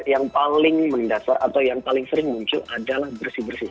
yang paling mendasar atau yang paling sering muncul adalah bersih bersih